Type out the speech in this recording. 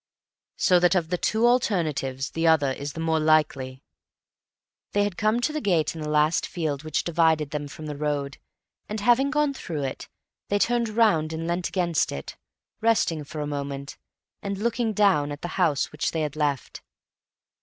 "So that of the two alternatives the other is the more likely." They had come to the gate into the last field which divided them from the road, and having gone through it, they turned round and leant against it, resting for a moment, and looking down at the house which they had left.